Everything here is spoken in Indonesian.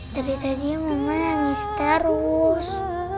dari tadi mama nangis terus